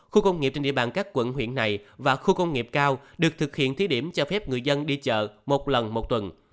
khu công nghiệp trên địa bàn các quận huyện này và khu công nghiệp cao được thực hiện thí điểm cho phép người dân đi chợ một lần một tuần